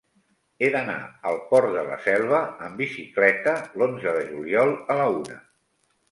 He d'anar al Port de la Selva amb bicicleta l'onze de juliol a la una.